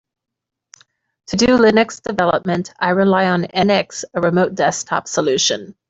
To do Linux development, I rely on NX, a remote desktop solution.